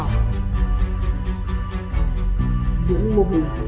những mô hình